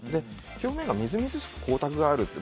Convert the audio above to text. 表面がみずみずしく光沢がある。